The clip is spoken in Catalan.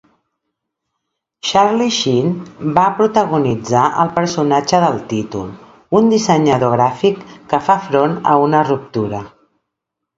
Charlie Sheen va protagonitzar el personatge del títol, un dissenyador gràfic que fa front a una ruptura.